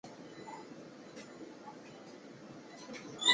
常州晋陵人。